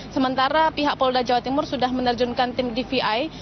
sementara pihak polda jawa timur sudah menerjunkan tim dvi